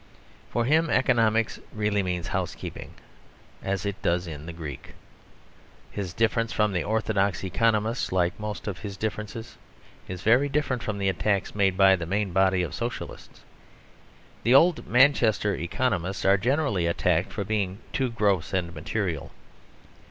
For him economics really means housekeeping, as it does in Greek. His difference from the orthodox economists, like most of his differences, is very different from the attacks made by the main body of Socialists. The old Manchester economists are generally attacked for being too gross and material.